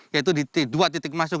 yaitu di dua titik masuk